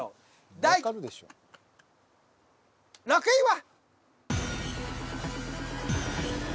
第６位は？